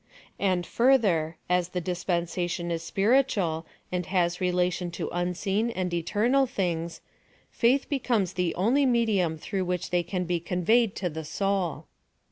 And further, as tlie dispensation is spirit ual, and has relation to unseen and eternal things, faith l)Ocomes the only medium through which they can be conveyed to the soul.